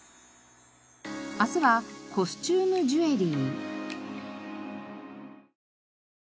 明日はコスチュームジュエリー。